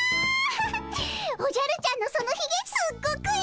おじゃるちゃんのそのひげすっごくいい！